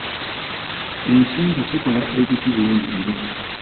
Ensimbi zikola ebinti bingi nnyo